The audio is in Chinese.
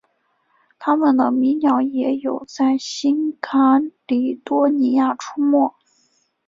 它们的迷鸟也有在新喀里多尼亚出没。